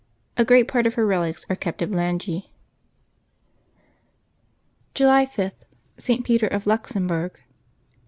A great part of her relics are kept at Blangy. July 5.— ST. PETER OF LUXEMBURG.